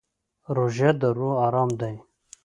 روژه د روح ارام دی.